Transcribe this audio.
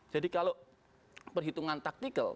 jadi kalau perhitungan taktikal